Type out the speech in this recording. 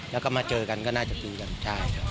แล้วก็มาเจอกันก็น่าจะตีกันใช่